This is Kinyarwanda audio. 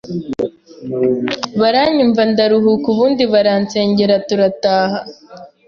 baranyumva ndaruhuka ubundi baransengera turataha